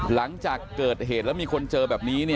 หลังจากเกิดเหตุแล้วมีคนเจอแบบนี้